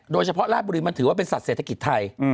โดยเฉพาะลาสบุรีมันถือว่าเป็นสัตว์เเศรษฐกิจไทย